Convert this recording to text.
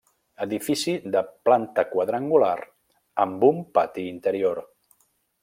Edifici de planta quadrangular amb un pati interior.